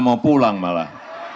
mau pulang malah